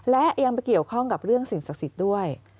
และยังไปเกี่ยวข้องกับเรื่องสิ่งศักดิ์สิทธิ์ด้วย